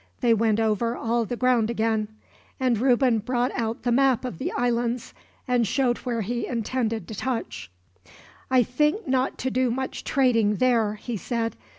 They went over all the ground again; and Reuben brought out the map of the islands, and showed where he intended to touch. "I think not to do much trading there," he said.